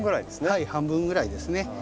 はい半分ぐらいですね。